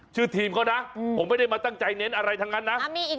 ชื่อทีมเขานะผมไม่ได้มาตั้งใจเน้นอะไรทั้งนั้นนะ